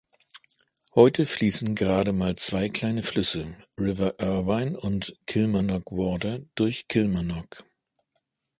Heute fließen gerade mal zwei kleine Flüsse, "River Irvine" und "Kilmarnock Water", durch Kilmarnock.